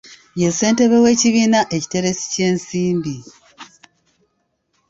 Ye ssentebe w'ekibiina ekiteresi ky'ensimbi.